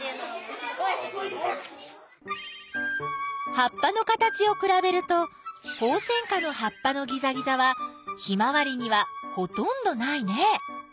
葉っぱの形をくらべるとホウセンカの葉っぱのギザギザはヒマワリにはほとんどないね。